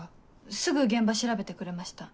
すぐ現場調べてくれました。